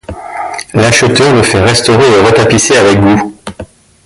L'acheteur le fait restaurer et retapisser avec goût.